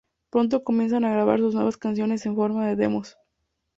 Pronto comienzan a grabar sus nuevas canciones en forma de demos.